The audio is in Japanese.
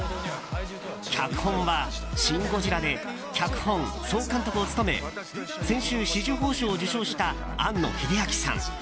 脚本は「シン・ゴジラ」で脚本、総監督を務め先週、紫綬褒章を受章した庵野秀明さん。